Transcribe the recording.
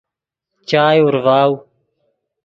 چائے اورڤاؤ